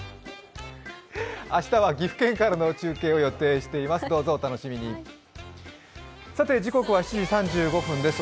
明日は岐阜県からの中継を予定しています、どうぞお楽しみに時刻は７時３５分です。